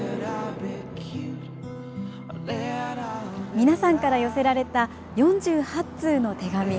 皆さんから寄せられた４８通の手紙。